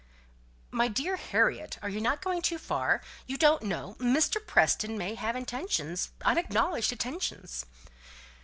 "My dear Harriet, are not you going too far? You don't know Mr. Preston may have intentions unacknowledged intentions."